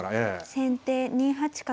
先手２八角。